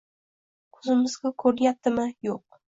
ko‘zimizga ko‘rinyaptimi? Yo‘q!